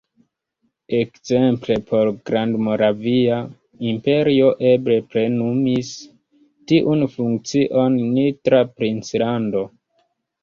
Ekzemple por Grandmoravia imperio eble plenumis tiun funkcion Nitra princlando.